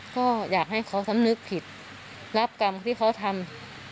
ก็อยากให้เขาสำนึกผิดรับกรรมที่เขาทำ